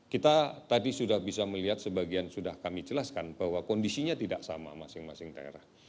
kita tadi sudah bisa melihat sebagian sudah kami jelaskan bahwa kondisinya tidak sama masing masing daerah